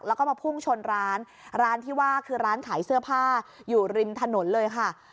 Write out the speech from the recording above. แล้วก็มาพุ่งชนร้านร้านที่ว่าคือร้านขายเสื้อผ้าอยู่ริมถนนเลยค่ะ